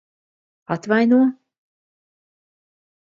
Atvaino?